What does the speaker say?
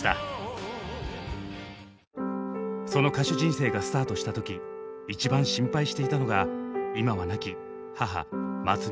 その歌手人生がスタートした時一番心配していたのが今は亡き母まつみさん。